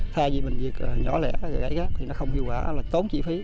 thay vì mình dịch nhỏ lẻ gãy gắt thì nó không hiệu quả tốn chi phí